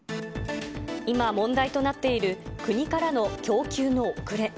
今問題となっている国からの供給の遅れ。